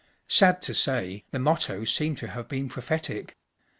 Sad to say, the motto seemed to have been prophetic.